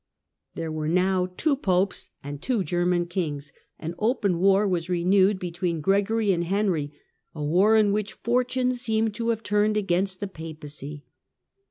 There were now two Popes and two German kings, and open war was renewed between Gregory and Henry, a war in which fortune seemed to have turned against the Papacy.